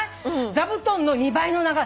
座布団の２倍の長さの。